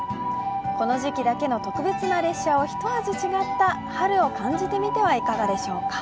この時季だけの特別な列車で一味違った春を感じてみてはいかがでしょうか。